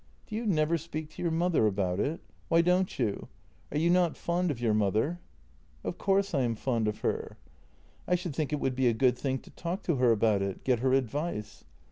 " Do you never speak to your mother about it? Why don't you? Are you not fond of your mother? "" Of course I am fond of her." " I should think it would be a good thing to talk to her about it — get her advice."